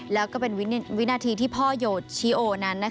แล้วก็เป็นวินาทีที่พ่อโยชีโอนั้น